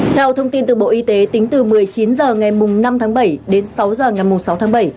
theo thông tin từ bộ y tế tính từ một mươi chín h ngày năm tháng bảy đến sáu h ngày sáu tháng bảy